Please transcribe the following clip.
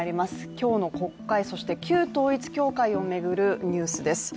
今日の国会、そして旧統一教会を巡るニュースです。